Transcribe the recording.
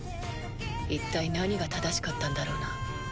一体何が正しかったんだろうな。